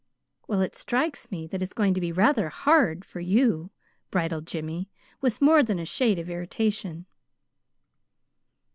"Well, it strikes me that it's going to be rather HARD for you," bridled Jimmy, with more than a shade of irritation.